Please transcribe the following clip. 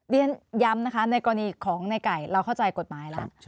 เรียนย้ำนะคะในกรณีของในไก่เราเข้าใจกฎหมายแล้ว